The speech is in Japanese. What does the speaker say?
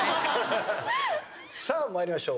さあ参りましょう。